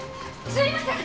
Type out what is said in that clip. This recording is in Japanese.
すいません！